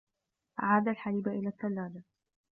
أعاد الحليب إلى الثّلاّجة.